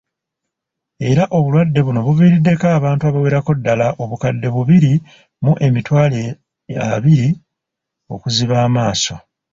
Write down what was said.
Era obulwadde buno buviriiddeko abantu abawererako ddala, obukadde bubiri mu emitwalo abiri, okuziba amaaso